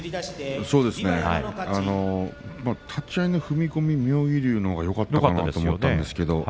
そうですね立ち合いの踏み込みは妙義龍のほうがいいと思ったんですがね。